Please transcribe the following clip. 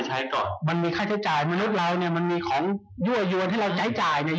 ใช้ก่อนมันมีค่าใช้จ่ายมนุษย์เราเนี่ยมันมีของยั่วยวนให้เราใช้จ่ายเนี่ย